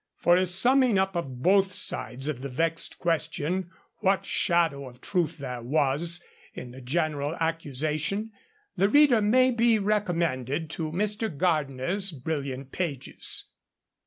For a summing up of both sides of the vexed question what shadow of truth there was in the general accusation, the reader may be recommended to Mr. Gardiner's brilliant pages.